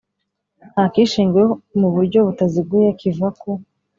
ntakishingiwe mu buryo butaziguye kiva ku